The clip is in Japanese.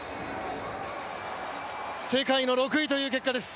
世界の６位という結果です。